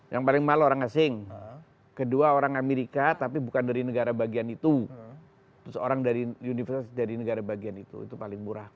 yang paling malu orang asing kedua orang amerika tapi bukan dari negara bagian itu terus orang dari universitas dari negara bagian itu itu paling murah